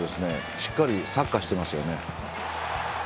しっかりサッカーしてますよね。